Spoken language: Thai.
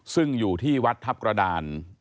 ซึ่งอยู่ที่วัดทัพกระดาน